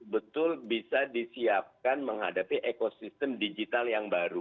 betul bisa disiapkan menghadapi ekosistem digital yang baru